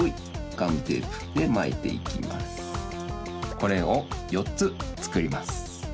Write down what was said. これをよっつつくります。